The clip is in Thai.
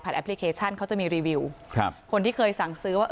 แอปพลิเคชันเขาจะมีรีวิวครับคนที่เคยสั่งซื้อว่า